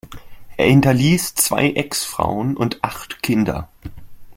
Er hinterließ zwei Ex-Frauen und acht Kinder.